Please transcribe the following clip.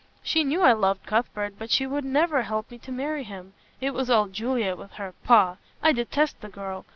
She knew I loved Cuthbert, but she would never help me to marry him. It was all Juliet with her pah! I detest the girl.